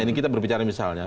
ini kita berbicara misalnya